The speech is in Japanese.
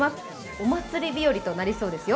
お祭り日和となりそうですよ。